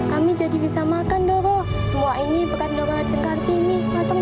kami jadi bisa makan semua ini berat dolar cengkartini